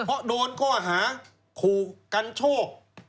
พอโดนก็หาคู่กันโชค